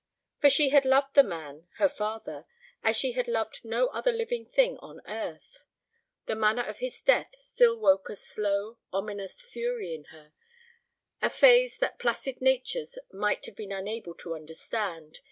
For she had loved the man—her father—as she had loved no other living thing on earth. The manner of his death still woke a slow, ominous fury in her—a phase that placid natures might have been unable to understand.